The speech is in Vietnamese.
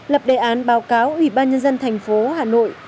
lập đề án báo cáo ủy ban nhân dân thành phố hà nội